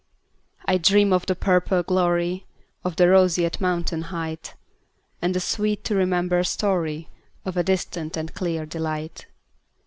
I dream of the purple gloryOf the roseate mountain heightAnd the sweet to remember storyOf a distant and clear delight.